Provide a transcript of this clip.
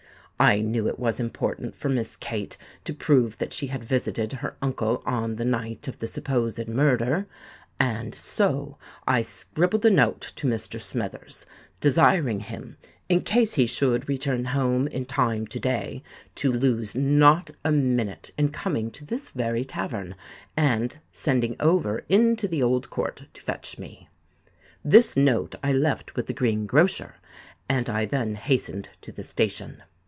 I knew it was important for Miss Kate to prove that she had visited her uncle on the night of the supposed murder; and so I scribbled a note to Mr. Smithers, desiring him, in case he should return home in time to day, to lose not a minute in coming to this very tavern and sending over into the Old Court to fetch me. This note I left with the green grocer; and I then hastened to the station.